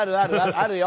あるよ。